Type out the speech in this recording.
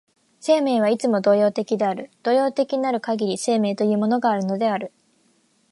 生命はいつも動揺的である、動揺的なるかぎり生命というものがあるのである。